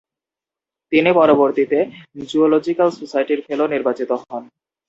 তিনি পরবর্তীতে জ্যুলজিক্যাল সোসাইটির ফেলো নির্বাচিত হন।